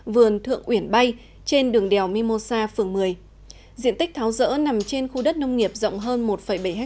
vườn thượng uyển bay trên đường đèo mimosa phường một mươi diện tích tháo rỡ nằm trên khu đất nông nghiệp rộng hơn một bảy ha